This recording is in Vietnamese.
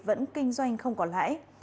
vẫn kinh doanh không có lãi